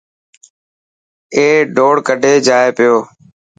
اي ڊوڙ ڪڍي جائي پيو.